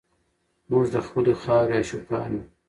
موږ د خپلې خاورې عاشقان یو.